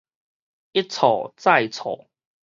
一錯再錯